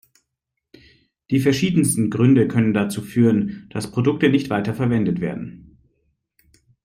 Die verschiedensten Gründe können dazu führen, dass Produkte nicht weiter verwendet werden.